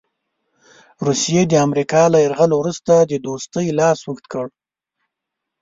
روسیې د امریکا له یرغل وروسته د دوستۍ لاس اوږد کړ.